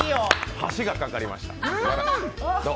橋が架かりました。